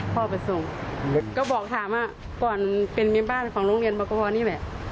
พ่อไปส่งก็บอกถามว่าก่อนเป็นมีบ้านของโรงเรียนประพอนี่แหละ